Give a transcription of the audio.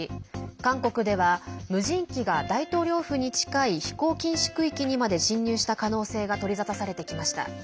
韓国では無人機が大統領府に近い飛行禁止区域にまで侵入した可能性が取り沙汰されてきました。